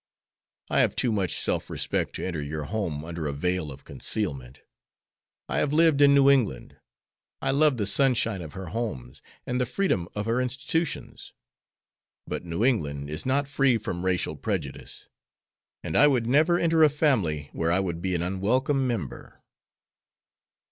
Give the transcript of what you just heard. I have too much self respect to enter your home under a veil of concealment. I have lived in New England. I love the sunshine of her homes and the freedom of her institutions. But New England is not free from racial prejudice, and I would never enter a family where I would be an unwelcome member."